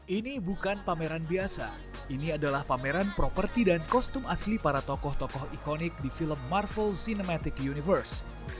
ini bukan pameran biasa ini adalah pameran properti dan kostum asli para tokoh tokoh ikonik di film marvel cinematic universe